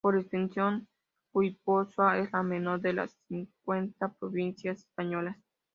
Por extensión, Guipúzcoa es la menor de las cincuenta provincias españolas.